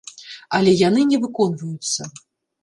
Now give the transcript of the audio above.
Але яны не выконваюцца.